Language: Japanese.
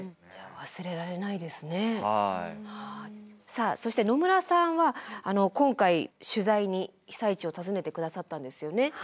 さあそして野村さんは今回取材に被災地を訪ねて下さったんですよね。